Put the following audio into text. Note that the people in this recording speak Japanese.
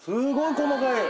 細かい！